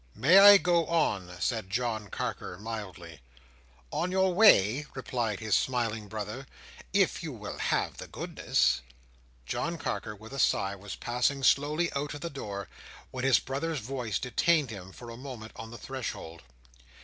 "May I go on?" said John Carker, mildly. "On your way?" replied his smiling brother. "If you will have the goodness." John Carker, with a sigh, was passing slowly out at the door, when his brother's voice detained him for a moment on the threshold.